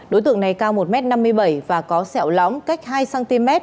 đối tượng này cao một m năm mươi bảy và có sẹo lóng cách hai cm